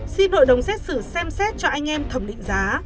xin hội đồng xét xử xem xét cho anh em thẩm định giá